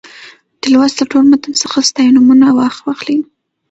دې لوست له ټول متن څخه ستاینومونه راواخلئ.